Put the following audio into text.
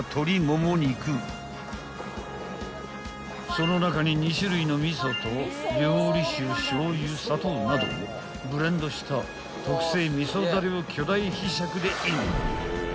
［その中に２種類の味噌と料理酒しょうゆ砂糖などをブレンドした特製味噌だれを巨大ひしゃくでイン］